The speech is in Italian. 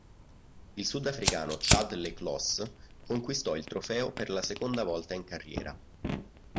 Il sudafricano Chad le Clos conquistò il trofeo per la seconda volta in carriera.